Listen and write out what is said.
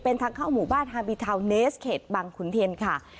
เป็นทางเข้าหมู่บ้านฮาบิทาวน์เนสเขตบังขุนเทียนค่ะ